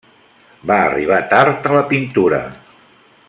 Va arribar tard a la pintura.